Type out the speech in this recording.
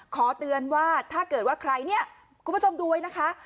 ขอเตือนว่าถ้าเกิดว่าใครเนี่ยคุณผู้ชมดูไว้นะคะ